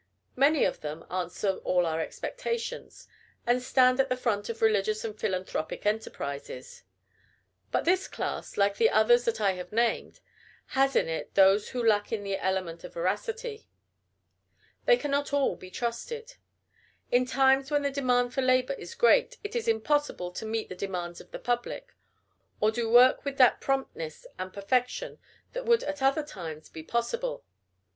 Many of them answer all our expectations, and stand at the front of religious and philanthropic enterprises. But this class, like the others that I have named, has in it those who lack in the element of veracity. They cannot all be trusted. In times when the demand for labor is great, it is impossible to meet the demands of the public, or do work with that promptness and perfection that would at other times be possible.